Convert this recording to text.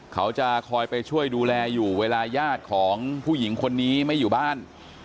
เขาจะคอยไปช่วยดูแลอยู่เวลาญาติของผู้หญิงคนนี้ไม่อยู่บ้าน